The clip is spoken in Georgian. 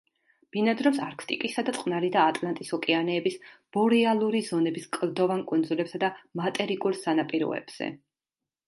ბინადრობს არქტიკისა და წყნარი და ატლანტის ოკეანეების ბორეალური ზონების კლდოვან კუნძულებსა და მატერიკულ სანაპიროებზე.